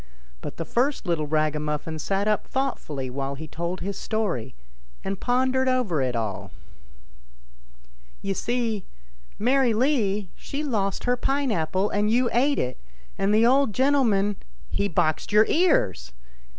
But the first little raga muffin sat up thoughtfully while he told his story, and pondered over it all. " You see, Mary Lee, she lost her pine apple and you ate it, and the old gentleman '" He boxed your ears